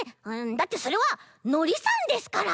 だってそれはのりさんですから！